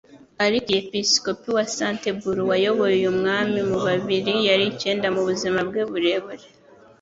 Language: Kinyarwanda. Arkiyepiskopi wa Canterbury wayoboye uyu mwami mu bibiri yari icyenda mu buzima bwe burebure